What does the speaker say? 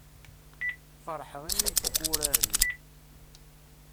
Feṛḥeɣ i mi ifukk wurar-nni.